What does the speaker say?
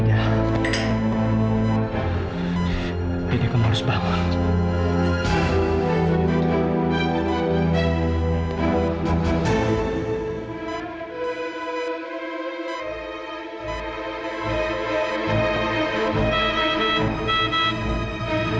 aida kamu harus bangun